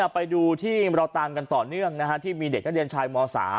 ไปดูที่เราตามกันต่อเนื่องที่มีเด็กนักเรียนชายม๓